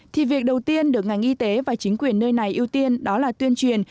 thì việc đầu tiên được ngành y tế và chính quyền nơi này ưu tiên đó là tuyên truyền